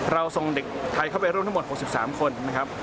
ส่งเด็กไทยเข้าไปร่วมทั้งหมด๖๓คนนะครับ